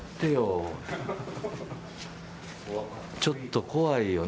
ちょっと怖いよ。